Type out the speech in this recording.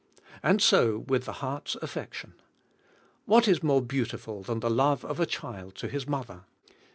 And so with the heart's affection. What is more beautiful than the love of a child to his mother?